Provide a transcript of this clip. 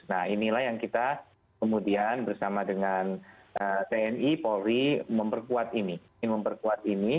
nah inilah yang kita kemudian bersama dengan tni polri memperkuat ini